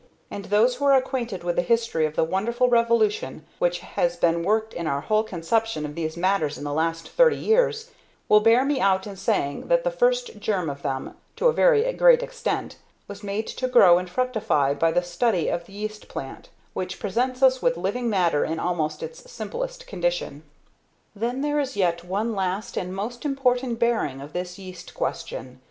And those who are acquainted with the history of the wonderful revolution which has been worked in our whole conception of these matters in the last thirty years, will bear me out in saying that the first germ of them, to a very great extent, was made to grow and fructify by the study of the yeast plant, which presents us with living matter in almost its simplest condition. Then there is yet one last and most important bearing of this yeast question.